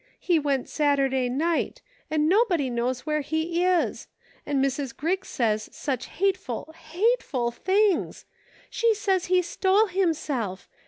He went Saturday night ; and nobody knows where he is ; and Mrs. Griggs says such hateful, hateful things ! She says he stole himself